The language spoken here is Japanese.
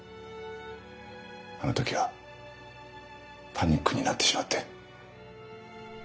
あの時はパニックになってしまって。